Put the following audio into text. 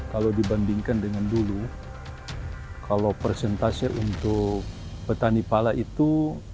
kalau dibandingkan dengan dulu kalau persentase untuk petani pala itu